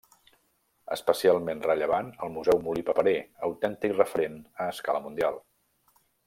Especialment rellevant el Museu Molí Paperer, autèntic referent a escala mundial.